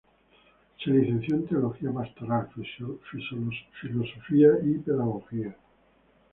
Se licenció en Teología pastoral, Filosofía y Pedagogía.